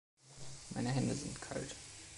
Meine Hände sind kalt.